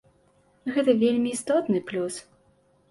Гэта вельмі істотны плюс.